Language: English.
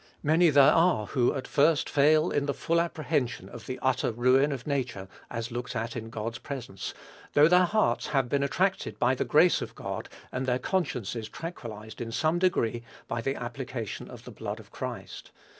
Many there are who at first fail in the full apprehension of the utter ruin of nature as looked at in God's presence, though their hearts have been attracted by the grace of God, and their consciences tranquillized in some degree by the application of the blood of Christ.